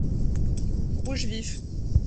rouge vif.